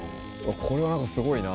これはすごいな。